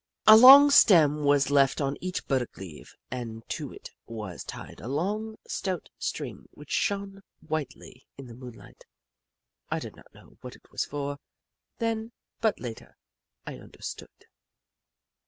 A long stem was left on each burdock leaf, and to it was tied a long, stout string which shone whitely in the moonlight, I did not know what it was for, then, but later I understood.